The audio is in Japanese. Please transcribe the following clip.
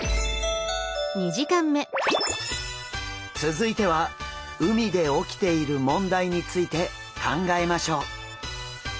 続いては海で起きている問題について考えましょう！